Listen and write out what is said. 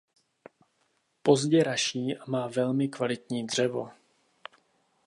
Pozdě raší a má velmi kvalitní dřevo.